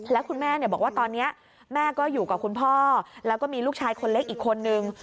แล้วคุณแม่บอกว่าตอนนี้แม่ก็อยู่กับคุณพ่อแล้วก็มีลูกชายคนเล็กอีกคนนึง